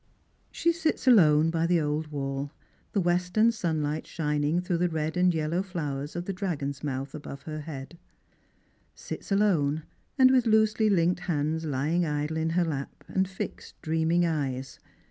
She sirs alone by the old wall, the western sunlight shining through the red and yellow flowers of the dragon's mouth above her head; sits alone, with loosely linked hands lying idle in her iap, and fixed dreaming eyes.